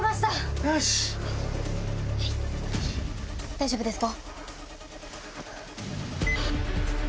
大丈夫ですか？